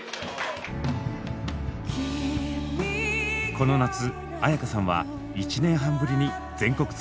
この夏絢香さんは１年半ぶりに全国ツアーを開催。